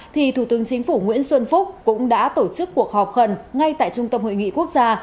thì thủ tướng chính phủ nguyễn xuân phúc cũng đã tổ chức cuộc họp khẩn ngay tại trung tâm hội nghị quốc gia